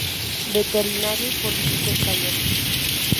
Veterinario y político español.